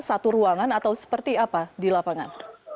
satu ruangan atau seperti apa di lapangan